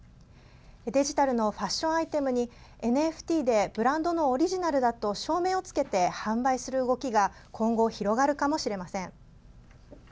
デジタルのファッションアイテムにＮＦＴでブランドのオリジナルだと証明をつけて販売する動きが今後、広がるかもしれません。